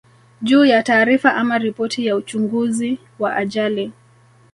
juu ya taarifa ama ripoti ya uchunguzi wa ajali